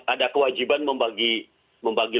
ada kewajiban membagikan